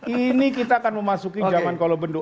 ini kita akan memasuki zaman kolobenduk